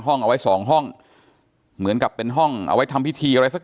เอาไว้สองห้องเหมือนกับเป็นห้องเอาไว้ทำพิธีอะไรสัก